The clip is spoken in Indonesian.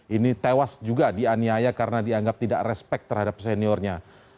ini tewas juga dianiaya karena dianggap tidak respect terhadap seniornya